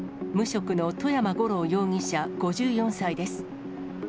無職の外山吾朗容疑者５４歳です。